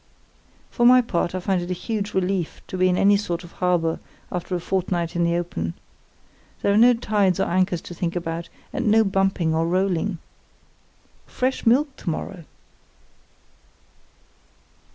For my part I find it a huge relief to be in any sort of harbour after a fortnight in the open. There are no tides or anchors to think about, and no bumping or rolling. Fresh milk to morrow!"